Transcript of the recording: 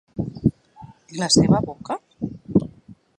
I la seva boca?